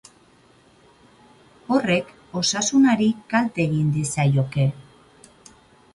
Adin txikikoen zentrokoei deituko ote diete eraman dezaten?